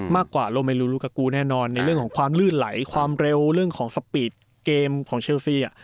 มากกว่าแน่นอนในเรื่องของความลืดไหลความเร็วเรื่องของสปีดเกมของเชลซีอ่ะ